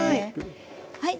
はい。